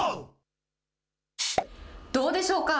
どうでしょうか。